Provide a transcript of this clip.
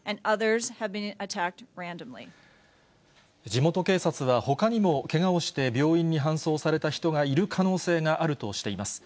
地元警察は、ほかにもけがをして病院に搬送された人がいる可能性があるとしています。